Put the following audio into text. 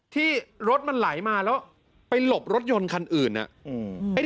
ที่รถมันหลายมาไปหลบรถยนต์ทางอื่นน่ะ